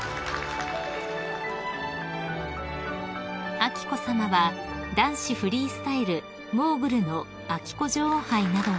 ［彬子さまは男子フリースタイルモーグルの彬子女王杯などを］